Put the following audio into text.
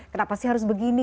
kenapa sih harus begini